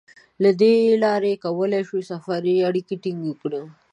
له دې لارې کولای شو سفري اړیکې ټینګې کړو.